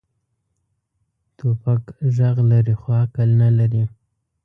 توپک غږ لري، خو عقل نه لري.